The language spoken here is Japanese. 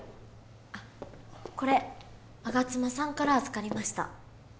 あっこれ吾妻さんから預かりました